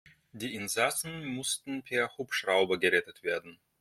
Die Insassen mussten per Hubschrauber gerettet werden.